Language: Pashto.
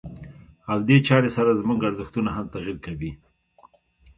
او دې چارې سره زموږ ارزښتونه هم تغيير کوي.